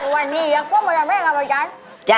วันนี้พวกแม่งแล้วแหละว่ะจ๊ะ